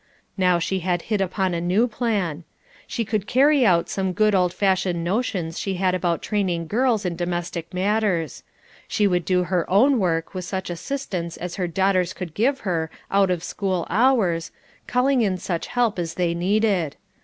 Now she had hit upon a new plan. She could carry out some good old fashioned notions she had about training girls in domestic matters. She would do her own work with such assistance as her daughters could give her out of school hours, calling in such help as they needed.